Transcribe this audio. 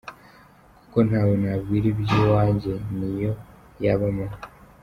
kuko ntawe nabwira iby’iwange niyo yaba mama.